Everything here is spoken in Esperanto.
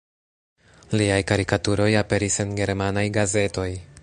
Liaj karikaturoj aperis en germanaj gazetoj.